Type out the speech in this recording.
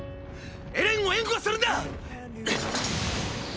エレンを援護するんだ！